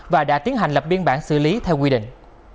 và đã tiến hành lập biên bản xử lý theo quy định